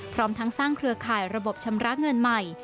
พร้อมทั้งสร้างเครือข่ายระบบชำระเงินใหม่